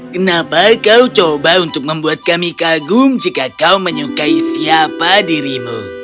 kenapa kau coba untuk membuat kami kagum jika kau menyukai siapa dirimu